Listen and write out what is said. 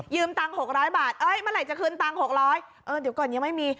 ยืมตังค์หกร้อยบาทเอ๊ะเมื่อไหร่จะคืนตังค์หกร้อยเออเดี๋ยวก่อนยังไม่มี